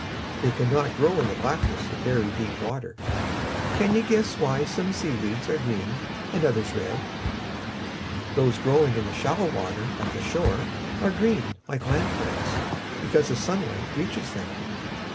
They cannot grow in the blackness of very deep water. Can you guess why some sea weeds are green and others red? Those growing in the shallow water of the shore are green, like land plants, because the sunlight reaches them.